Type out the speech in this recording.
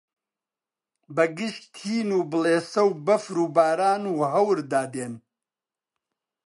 بەگژ تین و بڵێسە و بەفر و باران و هەوردا دێن